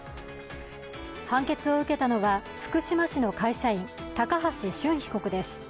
判決を受けたのは福島市の会社員、高橋俊被告です。